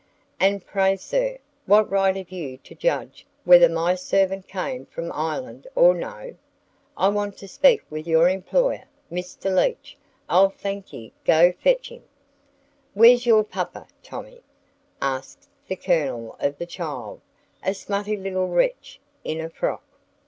"And pray, sir, what right have you to judge whether my servant came from Ireland or no? I want to speak with your employer, Mr. Leach. I'll thank ye go fetch him." "Where's your papa, Tommy?" asks the Colonel of the child, a smutty little wretch in a frock.